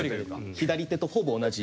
左手とほぼ同じ。